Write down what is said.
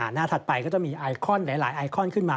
ถัดไปก็จะมีไอคอนหลายไอคอนขึ้นมา